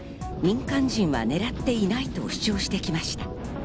民間人は狙っていないと主張してきました。